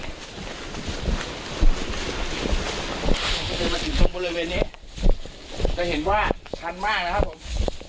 จะมาถึงตรงบริเวณนี้จะเห็นว่าชันมากนะครับผม